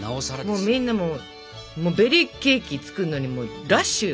みんなもうベリーケーキ作るのにラッシュよ。